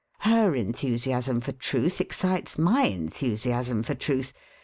Her enthusiasm for truth excites my enthusiasm for truth.